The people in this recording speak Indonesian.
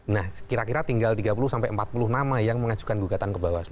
nah kira kira tinggal tiga puluh sampai empat puluh nama yang mengajukan gugatan ke bawah